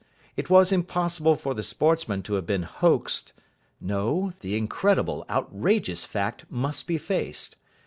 It was impossible for the Sportsman to have been hoaxed. No, the incredible, outrageous fact must be faced.